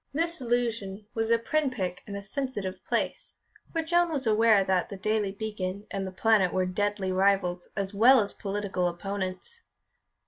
This allusion was a pin prick in a sensitive place, for Joan was aware that The Daily Beacon and The Planet were deadly rivals as well as political opponents.